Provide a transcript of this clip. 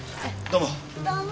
どうも。